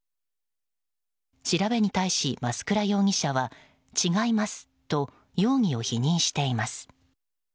調べに対し、増倉容疑者は違いますと容疑を否認しています。